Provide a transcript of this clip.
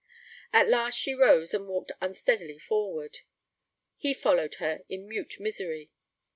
At last she rose and walked unsteadily forward. He followed her in mute misery.